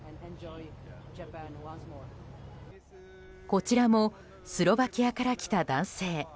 こちらもスロバキアから来た男性。